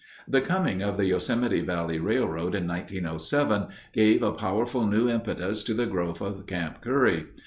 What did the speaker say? The coming of the Yosemite Valley Railroad in 1907 gave a powerful new impetus to the growth of Camp Curry.